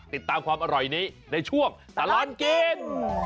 ติดตามความอร่อยนี้ในช่วงตลอดกิน